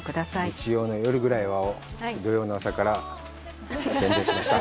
「日曜の夜ぐらいは」を土曜の朝から宣伝しました。